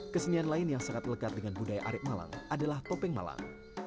kesenian lain yang sangat lekat dengan budaya arek malang adalah topeng malang